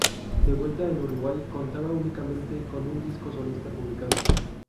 De vuelta en Uruguay, contaba únicamente con un disco solista publicado.